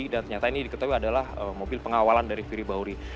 dan ternyata ini diketahui adalah mobil pengawalan dari firly bahuri